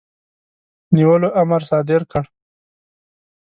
نیولو امر صادر کړ.